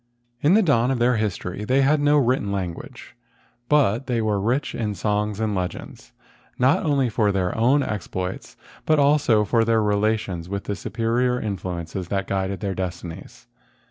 In the dawn of their history they had no written language, but they were rich in songs and legends, not only of their own exploits, but also of their relations with the superior influ¬ ences that guided their destinies.